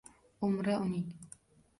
Umri uning